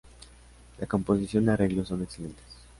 La composición y arreglos son excelentes.